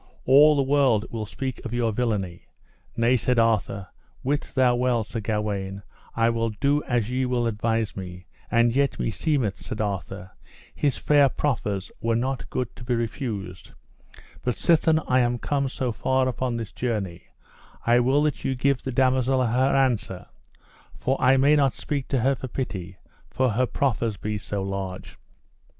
all the world will speak of your villainy. Nay, said Arthur, wit thou well, Sir Gawaine, I will do as ye will advise me; and yet meseemeth, said Arthur, his fair proffers were not good to be refused; but sithen I am come so far upon this journey, I will that ye give the damosel her answer, for I may not speak to her for pity, for her proffers be so large.